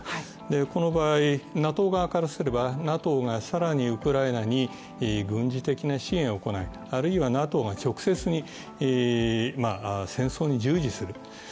この場合、ＮＡＴＯ側からすればＮＡＴＯが更にウクライナに軍事的な支援を行う、あるいはＮＡＴＯが直接に戦争に従事する。